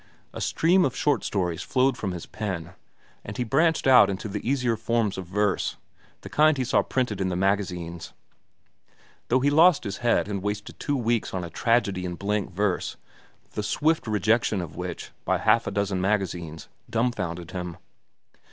A stream of short stories flowed from his pen, and he branched out into the easier forms of verse—the kind he saw printed in the magazines—though he lost his head and wasted two weeks on a tragedy in blank verse, the swift rejection of which, by half a dozen magazines, dumfounded him.